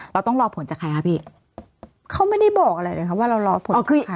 เราต้องรอผลจากใครคะพี่เขาไม่ได้บอกอะไรเลยครับว่าเรารอผลคือใคร